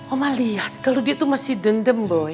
oma liat kalo dia tuh masih dendam boy